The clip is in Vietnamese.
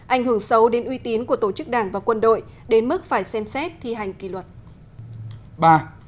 ảnh hưởng sâu đến uy tín của tổ chức đảng và quân đội đến mức phải xem xét thi hành kỳ luật